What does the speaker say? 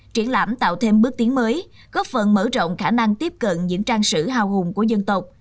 triển lãm tạo thêm bước tiến mới góp phần mở rộng khả năng tiếp cận những trang sử hào hùng của dân tộc